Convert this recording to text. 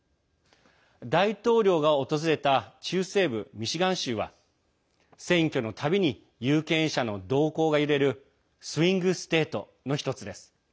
大統領が訪れた中西部ミシガン州は選挙の度に有権者の動向が揺れるスイング・ステートのひとつです。